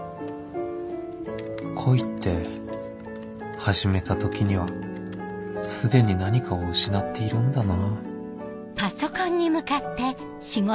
恋って始めた時には既に何かを失っているんだな